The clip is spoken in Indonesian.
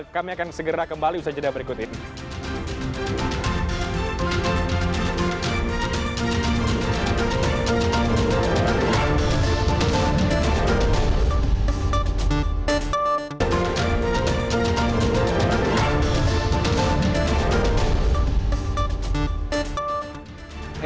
kami akan segera kembali usaha jadwal berikut ini